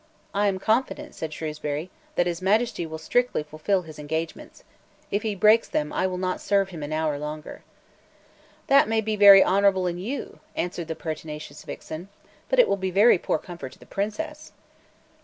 "I am confident," said Shrewsbury, "that His Majesty will strictly fulfil his engagements. If he breaks them I will not serve him an hour longer." "That may be very honourable in you," answered the pertinacious vixen, "but it will be very poor comfort to the Princess."